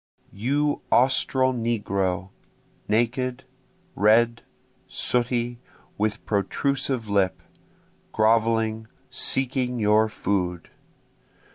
You Austral negro, naked, red, sooty, with protrusive lip, groveling, seeking your food!